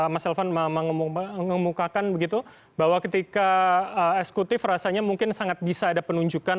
yang kamu mengumumkakan begitu bahwa ketika eskutif rasanya mungkin sangat bisa ada penunjukan